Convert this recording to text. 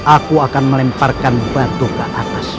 aku akan melemparkan batu ke atas